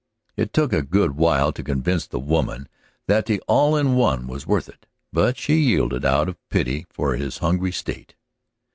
It took a good while to convince the woman that the All in One was worth it, but she yielded out of pity for his hungry state.